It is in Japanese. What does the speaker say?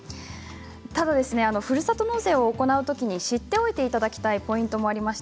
ただ、ふるさと納税を行うときに知っておいてほしいポイントもあります。